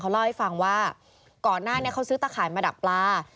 เล่าให้ฟังว่าก่อนหน้านี้เขาซื้อตะข่ายมาดักปลา